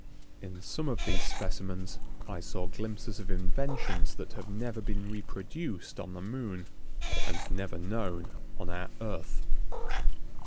In some of these specimens I saw glimpses of inventions that have never been reproduced on the Moon and never known on our Earth.